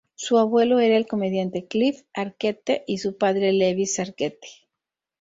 Su abuelo era el comediante Cliff Arquette y su padre Lewis Arquette.